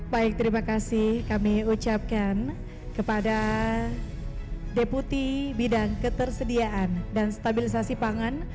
baik terima kasih kami ucapkan kepada deputi bidang ketersediaan dan stabilisasi pangan